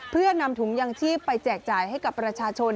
เพื่อนำถุงยังชีพไปแจกจ่ายให้กับประชาชน